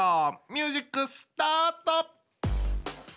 ミュージックスタート！